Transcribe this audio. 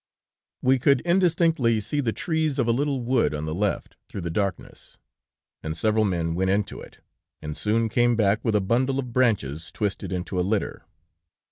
"We could indistinctly see the trees of a little wood on the left, through the darkness, and several men went into it, and soon came back with a bundle of branches twisted into a litter.